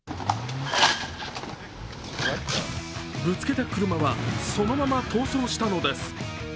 ぶつけた車はそのまま逃走したのです。